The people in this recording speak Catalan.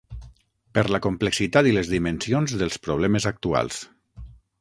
Per la complexitat i les dimensions dels problemes actuals.